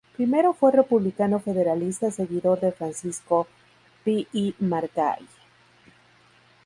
Primero fue republicano federalista seguidor de Francisco Pi i Margall.